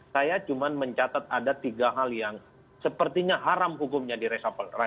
saya cuma mencatat ada tiga hal yang sepertinya haram hukumnya di resapel